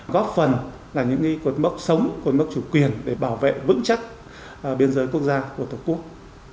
góp phần là những cột mốc sống cột mốc chủ quyền để bảo vệ vững chắc biên giới quốc gia của tổ quốc